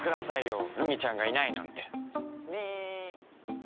ルミちゃんがいないなんて。ねえ！